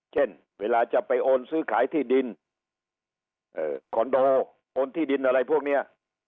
เช่นเวลาจะไปโอนซื้อขายที่ดินคอนโดโอนที่ดินอะไรพวกนี้